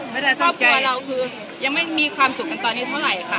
เพราะคือเพราะว่าเรายังไม่มีความสุขกันตอนนี้เท่าอะไรค่ะ